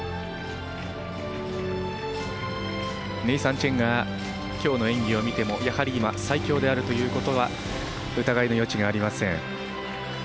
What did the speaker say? ネイサン・チェンがきょうの演技を見てもやはり今最強であるということは疑いの余地がありません。